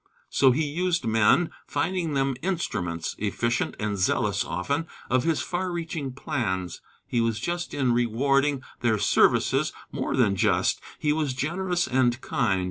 So he used men, finding them instruments efficient and zealous, often of his far reaching plans. He was just in rewarding their services more than just: he was generous and kind.